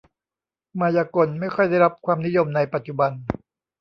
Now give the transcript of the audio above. มายากล ไม่ค่อยได้รับความนิยมในปัจจุบัน